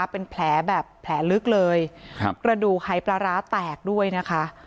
เป็นแผลแบบแผลลึกเลยครับกระดูกหายปลาร้าแตกด้วยนะคะ